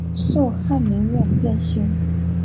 授翰林院编修。